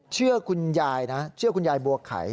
เชื่อคุณยายนะเชื่อคุณยายบัวไข่